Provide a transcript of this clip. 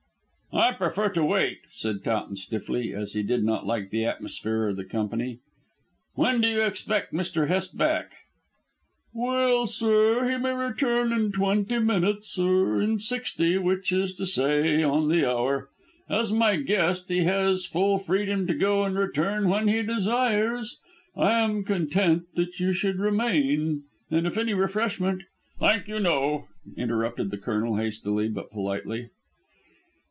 "I prefer to wait," said Towton stiffly, as he did not like the atmosphere or the company. "When do you expect Mr. Hest back?" "Well, sir, he may return in twenty minutes or in sixty, which is to say, on the hour. As my guest he has full freedom to go and return when he desires. I am content that you should remain, and if any refreshment " "Thank you, no," interrupted the Colonel hastily but politely.